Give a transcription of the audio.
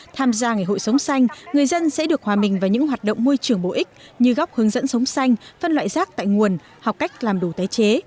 tham gia ngày hội sống xanh người dân sẽ được hòa mình vào những hoạt động môi trường bổ ích như góc hướng dẫn sống xanh phân loại rác tại nguồn học cách làm đồ tái chế